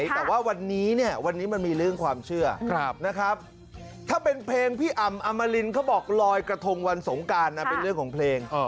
แต่ว่าวันนี้มันมีเรื่องความเชื่อถ้าเป็นเพลงพี่อำอำมารินเขาบอกลอยกระทงวันสงการเป็นเรื่องของเพลง